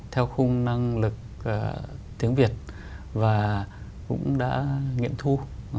theo khung năng lực tiếng việt và cũng đã nghiện thu